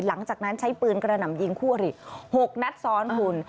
หลังจากนั้นใช้ปืนกระหน่ำยิงคู่อริ๖นัดซ้อนคุณ